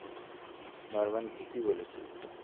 Norman ঠিকই বলেছিল।